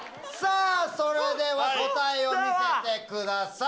それでは答えを見せてください。